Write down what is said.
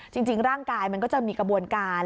จริงร่างกายมันก็จะมีกระบวนการ